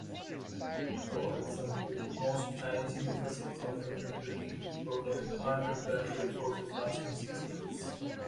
For example, most Chinese universities offering medical degrees provide undergraduate courses lasting six years.